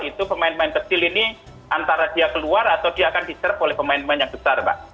itu pemain pemain kecil ini antara dia keluar atau dia akan diserve oleh pemain pemain yang besar mbak